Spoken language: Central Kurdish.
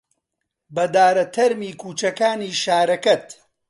بەدارە تەرمی کووچەکانی شارەکەت